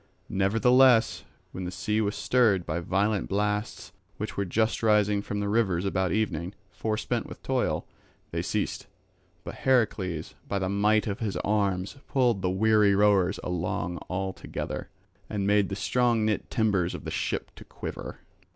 Nevertheless when the sea was stirred by violent blasts which were just rising from the rivers about evening, forspent with toil, they ceased. But Heracles by the might of his arms pulled the weary rowers along all together, and made the strong knit timbers of the ship to quiver.